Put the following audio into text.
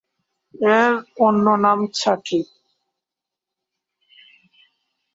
এর অন্য নাম চাঁটি।